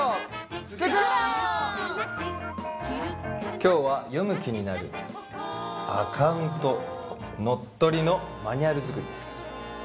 今日は読む気になるアカウントのっとりのマニュアル作りです。